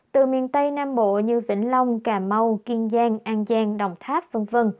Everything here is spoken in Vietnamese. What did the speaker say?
từ miền tây nam bộ như vĩnh long cà mau kiên giang an giang đồng tháp v v